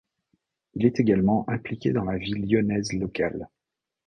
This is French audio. Il est également impliqué dans la vie lyonnaise locale.